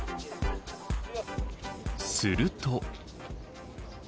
すると。